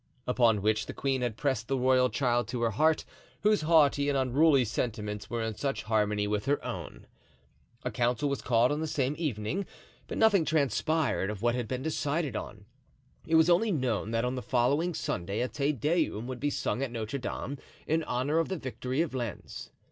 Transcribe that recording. Upon which the queen had pressed the royal child to her heart, whose haughty and unruly sentiments were in such harmony with her own. A council was called on the same evening, but nothing transpired of what had been decided on. It was only known that on the following Sunday a Te Deum would be sung at Notre Dame in honor of the victory of Lens.